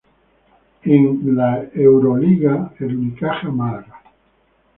En la Euroliga, el Unicaja Málaga.